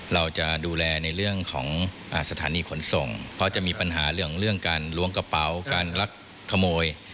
เราจะดูแลในเรื่องของสถานีขนส่งเพราะจะมีปัญหาเรื่องการล้วงกระเป๋าการลักขโมย